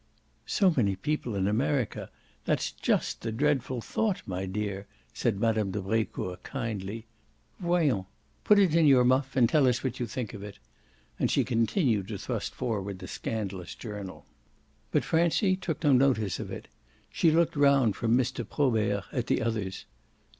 "So many people in America that's just the dreadful thought, my dear," said Mme. de Brecourt kindly. "Foyons, put it in your muff and tell us what you think of it." And she continued to thrust forward the scandalous journal. But Francie took no notice of it; she looked round from Mr. Probert at the others.